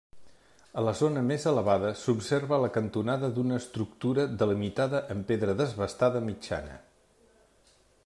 A la zona més elevada s'observa la cantonada d'una estructura, delimitada amb pedra desbastada mitjana.